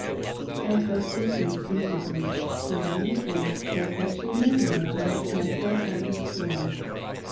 I felt this instinctively, and I resolved that they should never know how much my poor heart was torn.